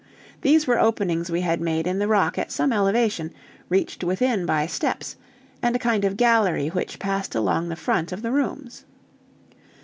These were openings we had made in the rock at some elevation, reached within by steps, and a kind of gallery which passed along the front of the rooms.